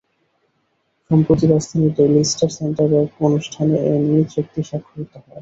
সম্প্রতি রাজধানীর Daily Star সেন্টারে এক অনুষ্ঠানে এ নিয়ে চুক্তি স্বাক্ষরিত হয়।